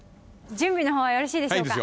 準備の方はよろしいでしょうか？